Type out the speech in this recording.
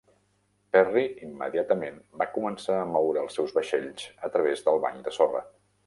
Perry immediatament va començar a moure els seus vaixells a través del banc de sorra.